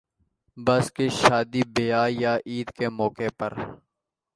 بس کسی شادی بیاہ یا عید کے موقع پر